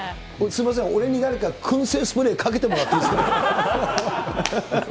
すみません、俺に誰かくん製スプレー、かけてもらっていいですか。